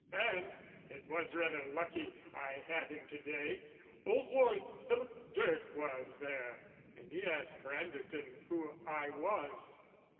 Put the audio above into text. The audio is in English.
"And it was rather lucky I had him to day. Old Lord Philip Dirk was there, and he asked Branderton who I was.